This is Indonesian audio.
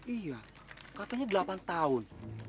iya katanya delapan tahun